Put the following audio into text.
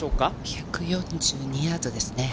１４２ヤードですね。